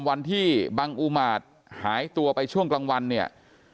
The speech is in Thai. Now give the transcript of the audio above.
วันที่บังอุมาตรหายตัวไปช่วงกลางวันเนี่ย